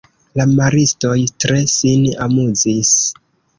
La maristoj tre sin amuzis.